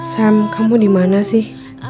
sam kamu dimana sih